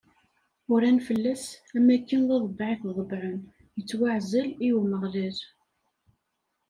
Uran fell-as am akken d aḍbaɛ i t-ḍebɛen: Ittwaɛzel i Umeɣlal.